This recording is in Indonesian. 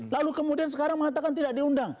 lalu kemudian sekarang mengatakan tidak diundang